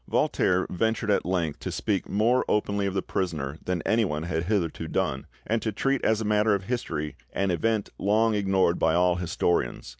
Voltaire ventured at length to speak more openly of the prisoner than anyone had hitherto done, and to treat as a matter of history "an event long ignored by all historians."